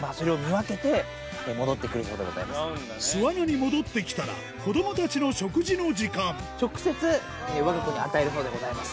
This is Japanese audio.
巣穴に戻ってきたら子どもたちの食事の時間直接我が子に与えるそうでございます。